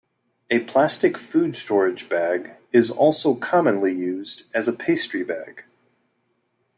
A plastic food storage bag is also commonly used as a pastry bag.